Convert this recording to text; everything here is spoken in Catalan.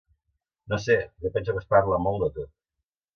No sé, jo penso que es parla molt de tot.